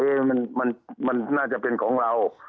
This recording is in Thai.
มันน่าจะเป็นของเรา